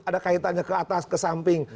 ada kaitannya ke atas ke samping